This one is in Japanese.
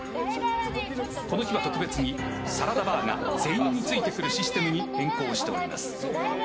この日は特別にサラダバーが全員ついてくるシステムに変更しております。